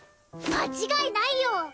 間違いないよ！